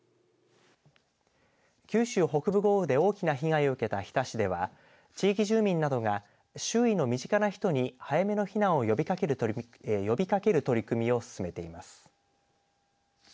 九州北部豪雨で多くの被害を受けた日田市では地域住民などが周囲の身近な人に早めの避難を呼びかける取り組みを進めています。